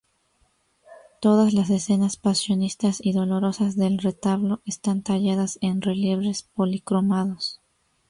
Todas las escenas pasionistas y dolorosas del retablo están talladas en relieves policromados.